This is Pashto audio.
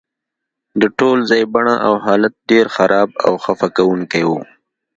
د ټول ځای بڼه او حالت ډیر خراب او خفه کونکی و